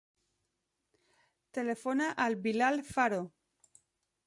Telefona al Bilal Faro.